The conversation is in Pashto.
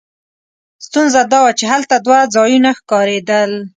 ستونزه دا وه چې هلته دوه ځایونه ښکارېدل.